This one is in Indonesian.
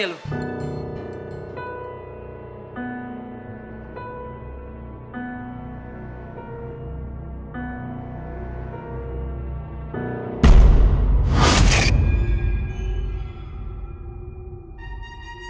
saya mau misi sejuk sama perangai